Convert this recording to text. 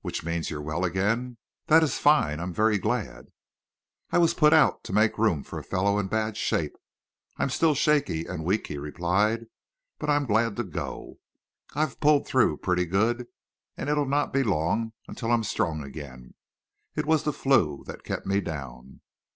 "Which means you're well again. That is fine. I'm very glad." "I was put out to make room for a fellow in bad shape. I'm still shaky and weak," he replied. "But I'm glad to go. I've pulled through pretty good, and it'll not be long until I'm strong again. It was the 'flu' that kept me down."